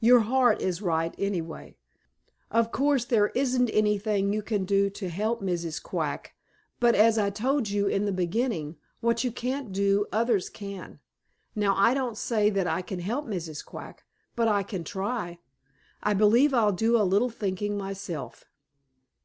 "Your heart is right, anyway. Of course, there isn't anything you can do to help Mrs. Quack, but as I told you in the beginning, what you can't do others can. Now I don't say that I can help Mrs. Quack, but I can try. I believe I'll do a little thinking myself."